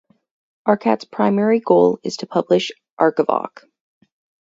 Arkat's primary goal is to publish "Arkivoc".